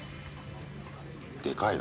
でかいな。